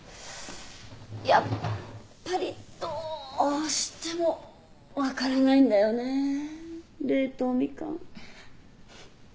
やっぱりどうしても分からないんだよね冷凍みかん。